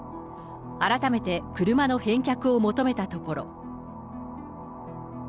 改めて車の返却を求めたところ。